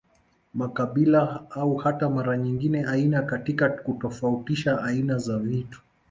Mkabila au hata mara nyingine aina katika kutofautisha aina za vitu